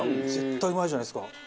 絶対うまいじゃないですか。